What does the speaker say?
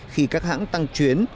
khi các hãng tăng chuyến